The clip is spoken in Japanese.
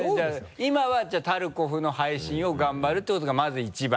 今はじゃあタルコフの配信を頑張るってことがまず１番。